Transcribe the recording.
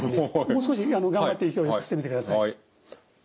もう少し頑張って勢いよく吸ってみてください。